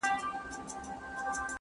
مځکه له سړک ښه ده!